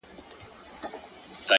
عاجزي د حکمت ملګرې ده،